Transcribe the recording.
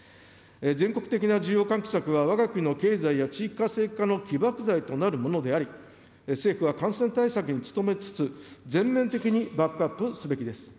全国的な需要喚起策は、わが国の経済や地域活性化の起爆剤となるものであり、政府は感染対策に努めつつ、全面的にバックアップすべきです。